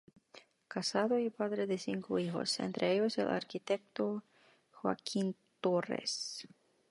Casado y padre de cinco hijos, entre ellos el arquitecto Joaquín Torres.